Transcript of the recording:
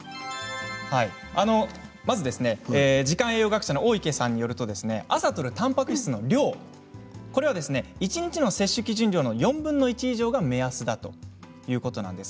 時間栄養学者の大池さんによると朝とるたんぱく質の量は一日の摂取基準量の４分の１以上が目安だということです。